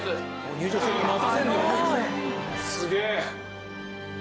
すげえ！